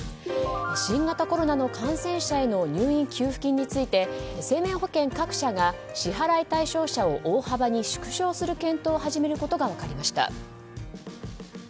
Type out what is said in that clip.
新型コロナの感染者への入院給付金について生命保険各社が支払い対象者を大幅に縮小する検討を始めることが分かりました。